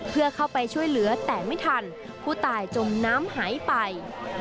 เพื่อเข้าไปช่วยเหลือแต่ไม่ทันผู้ตายจมน้ำหายไป